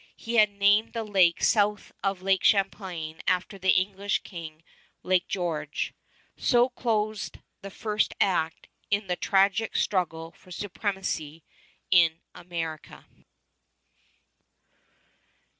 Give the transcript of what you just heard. He had named the lake south of Lake Champlain after the English King, Lake George. So closed the first act in the tragic struggle for supremacy in America.